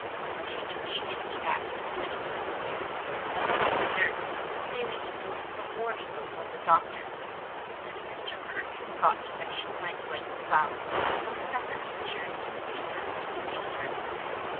She immediately asked who had put them there. The nurse (failing to notice a warning look from the doctor) said Mr. Kirke had thought that she might like the flowers, and that the pictures in the paper might amuse her.